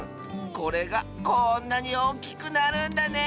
これがこんなにおおきくなるんだね！